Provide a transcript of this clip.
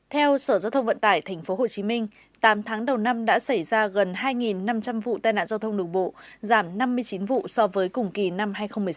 theo sở giao thông vận tải tp hcm tám tháng đầu năm đã xảy ra gần hai năm trăm linh vụ tai nạn giao thông đường bộ giảm năm mươi chín vụ so với cùng kỳ năm hai nghìn một mươi sáu